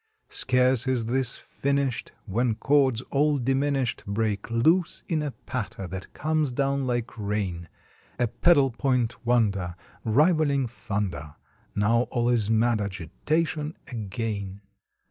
Scarce is this finished When chords all diminished Break loose in a patter that comes down like rain, A pedal point wonder Rivaling thunder. Now all is mad agitation again.